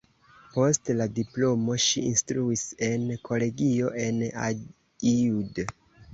Post la diplomo ŝi instruis en kolegio en Aiud.